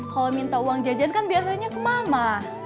kalo minta uang jajan kan biasanya ke mama